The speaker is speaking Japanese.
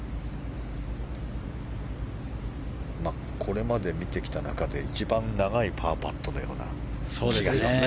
これまで見てきた中で一番長いパーパットのような気がしますね。